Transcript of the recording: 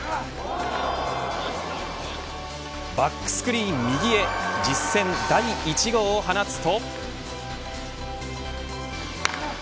バックスクリーン右へ実戦第１号を放つと。